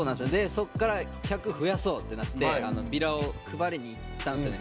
そこから客増やそうってなってビラを配りにいったんですよね。